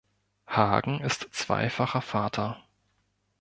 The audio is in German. Hagen ist zweifacher Vater.